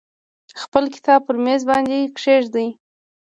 خپل کتاب پر میز باندې کیږدئ.